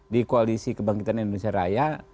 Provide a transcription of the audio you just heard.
di koalisi kebangkitan indonesia raya